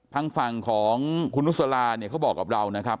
ทางฝั่งของคุณนุษลาเนี่ยเขาบอกกับเรานะครับ